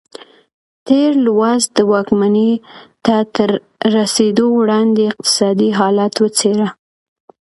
تېر لوست د واکمنۍ ته تر رسېدو وړاندې اقتصادي حالت وڅېړه.